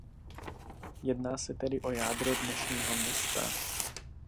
Jedná se tedy o jádro dnešního města.